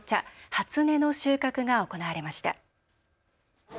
初音の収穫が行われました。